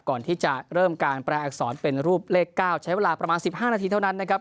ก่อนที่จะเริ่มการแปลอักษรเป็นรูปเลข๙ใช้เวลาประมาณ๑๕นาทีเท่านั้นนะครับ